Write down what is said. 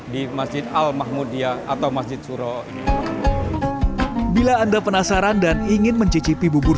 di masjid al mahmudiyah atau masjid suro bila anda penasaran dan ingin mencicipi bubur